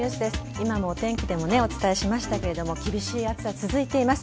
今もお天気でもお伝えしましたが厳しい暑さ、続いています。